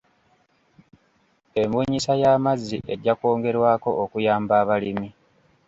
Embunyisa y'amazzi ejja kwongerwako okuyamba abalimi.